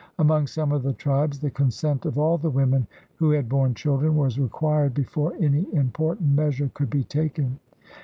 Among some of the tribes the consent of all the women who had borne children was required before any important measure could be taken.